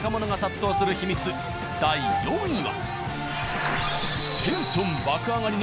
第４位は。